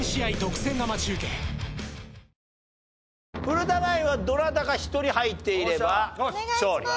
古田ナインはどなたか１人入っていれば勝利。